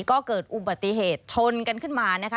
ก็เกิดอุบัติเหตุชนกันขึ้นมานะคะ